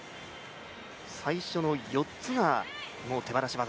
最初の４つが手放し技。